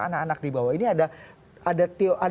anak anak dibawa ini ada